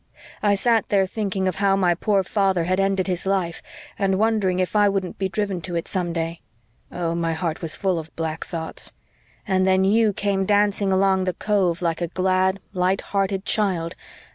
I sat there thinking of how my poor father had ended his life, and wondering if I wouldn't be driven to it some day. Oh, my heart was full of black thoughts! And then you came dancing along the cove like a glad, light hearted child.